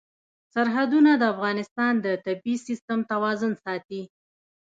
سرحدونه د افغانستان د طبعي سیسټم توازن ساتي.